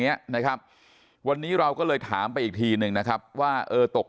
เนี้ยนะครับวันนี้เราก็เลยถามไปอีกทีหนึ่งนะครับว่าเออตก